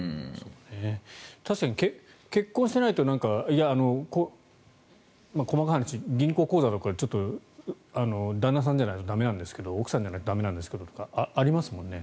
確かに結婚してないと細かい話銀行口座とか旦那さんじゃないと駄目なんですけどとか奥さんじゃないと駄目なんですけどとかありますよね。